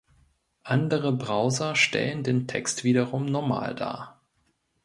Andere Browser stellen den Text wiederum normal dar.